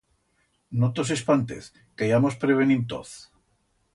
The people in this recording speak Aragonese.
No tos espantez que ya mos prevenim toz.